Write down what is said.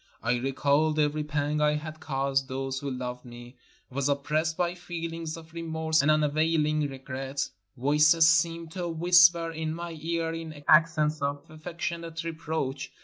I recalled every pang I had caused those who loved me; was oppressed by feelings of remorse and unavaihng regret; voices seemed to whisper in my ear in accents of affectionate reproach.